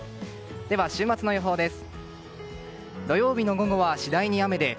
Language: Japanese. では、週末の予報です。